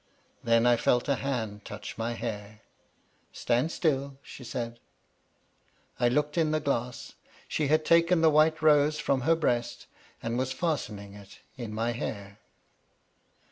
Then I felt a hand touch my hair. "Stand still," she said. I looked in the glass. She had taken the white rose from her breast, and was fastening it in my hair.